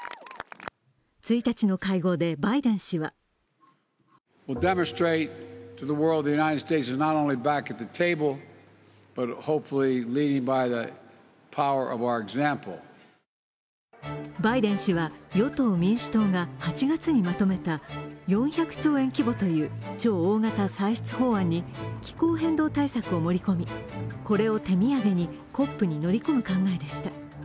１日の会合で、バイデン氏はバイデン氏は与党・民主党が８月にまとめた４００兆円規模という超大型歳出法案に、気候変動対策を盛り込みこれを手土産にＣＯＰに乗り込む考えでした。